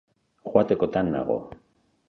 Joatekotan nago.